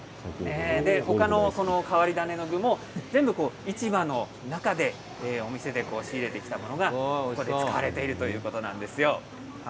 他の変わり種の具も市場の中でお店で仕入れてきたものがここで使われているということなんですね。